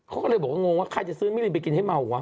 เขาก็เลยบอกว่างงว่าใครจะซื้อมิลินไปกินให้เมาวะ